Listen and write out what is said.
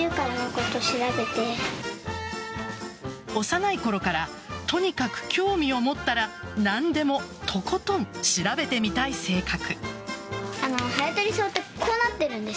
幼いころからとにかく興味を持ったら何でもとことん調べてみたい性格。